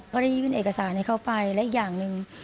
ก็ได้ยื่นเอกสารให้เขาไปและอีกอย่างหนึ่ง